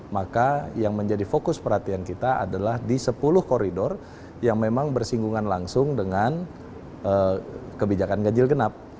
maka yang menjadi fokus perhatian kita adalah di sepuluh koridor yang memang bersinggungan langsung dengan kebijakan ganjil genap